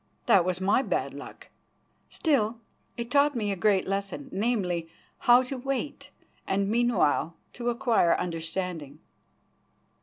That was my bad luck. Still, it taught me a great lesson, namely, how to wait and meanwhile to acquire understanding."